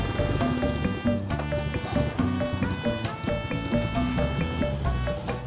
buat bantuin bikin kue